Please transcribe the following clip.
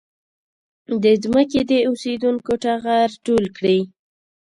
د ځمکې د اوسېدونکو ټغر ټول کړي.